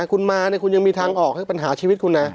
คุณมาคุณยังมีทางออกให้ปัญหาชีวิตคุณนะ